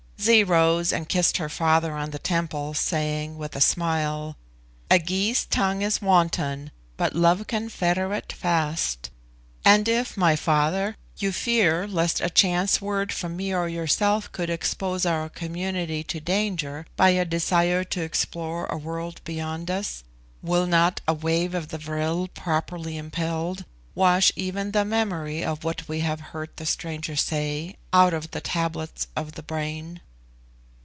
Zee rose and kissed her father on the temples, saying, with a smile, "A Gy's tongue is wanton, but love can fetter it fast. And if, my father, you fear lest a chance word from me or yourself could expose our community to danger, by a desire to explore a world beyond us, will not a wave of the 'vril,' properly impelled, wash even the memory of what we have heard the stranger say out of the tablets of the brain?"